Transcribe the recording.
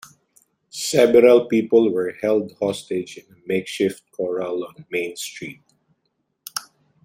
Several people were held hostage in a makeshift corral on Main street.